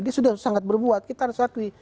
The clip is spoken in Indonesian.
dia sudah sangat berbuat kita harus akui